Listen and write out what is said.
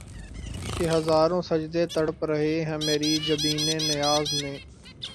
کہ ہزاروں سجدے تڑپ رہے ہیں مری جبین نیاز میں